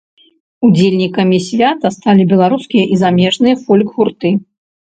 Удзельнікамі свята сталі беларускія і замежныя фольк-гурты.